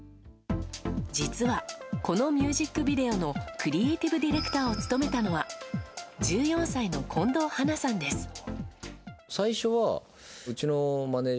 実は、このミュージックビデオのクリエイティブディレクターを務めたのは１４歳の近藤華さんです。